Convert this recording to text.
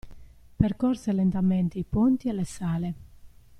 Percorse lentamente i ponti e le sale.